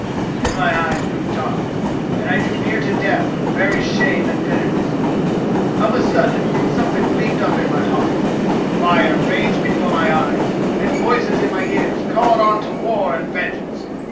Then my eyes grew dark and I drew near to death from very shame and bitterness. But of a sudden something leaped up in my heart, fire raged before my eyes and voices in my ears called on to war and vengeance.